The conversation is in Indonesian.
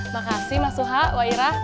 makasih mas suha wah irah